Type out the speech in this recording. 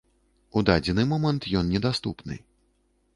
У дадзены момант ён недаступны.